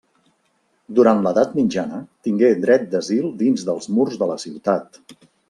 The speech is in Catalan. Durant l'Edat Mitjana tingué dret d'asil dins dels murs de la ciutat.